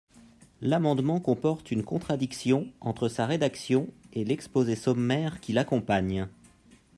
L’amendement comporte une contradiction entre sa rédaction et l’exposé sommaire qui l’accompagne.